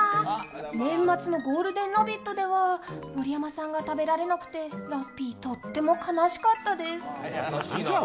年末の「ゴールデンラヴィット！」では盛山さんが食べられなくてラッピーとっても悲しかったです。